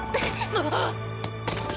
あっ！